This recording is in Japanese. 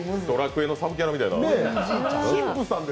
「ドラクエ」のサブキャラみたいな。